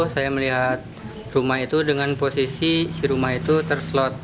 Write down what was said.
saya melihat rumah itu dengan posisi si rumah itu terselot